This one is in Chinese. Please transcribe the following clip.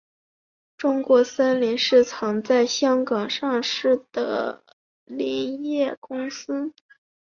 中国森林是曾在香港上市的林业公司。